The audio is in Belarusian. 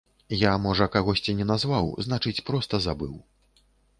Я, можа, кагосьці не назваў, значыць, проста забыў.